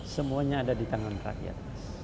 semuanya ada di tangan rakyat